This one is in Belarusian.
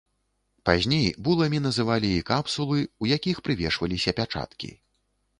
Пазней буламі называлі і капсулы, у якіх прывешваліся пячаткі.